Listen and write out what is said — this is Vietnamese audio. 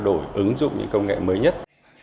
đổi ứng dụng những công nghệ mới nhất